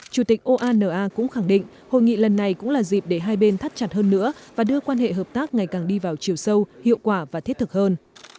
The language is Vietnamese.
chủ tịch oana cũng khẳng định hội nghị lần này cũng là dịp để hai bên thắt chặt hơn nữa và đưa quan hệ hợp tác ngày càng đi vào chiều sâu hiệu quả và thiết thực hơn